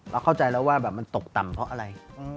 เข้าใจแล้วว่าแบบมันตกต่ำเพราะอะไร